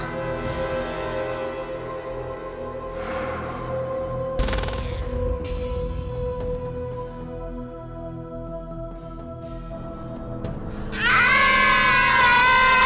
nggak nggak kena